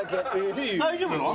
大丈夫なの？